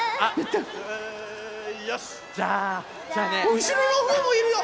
うしろのほうもいるよ！